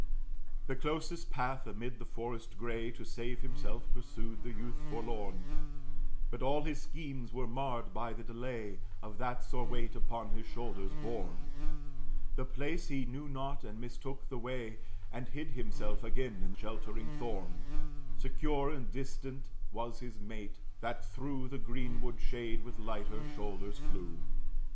The closest path, amid the forest gray, To save himself, pursued the youth forlorn; But all his schemes were marred by the delay Of that sore weight upon his shoulders borne. The place he knew not, and mistook the way, And hid himself again in sheltering thorn. Secure and distant was his mate, that through The greenwood shade with lighter shoulders flew.